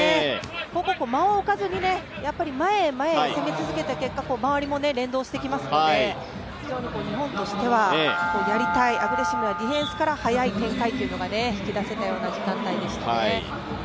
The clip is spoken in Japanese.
間を置かずに前へ前へ攻め続けた結果周りも連動してきますので、非常に日本としてはやりたい、アグレッシブから速い展開というのが引き出せた時間帯でしたね。